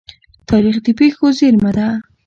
تاریخ د پېښو زيرمه ده.